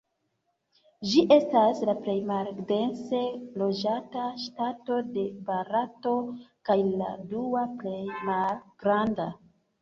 Ĝi estas la plej maldense loĝata ŝtato de Barato, kaj la dua plej malgranda.